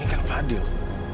ini kan fadil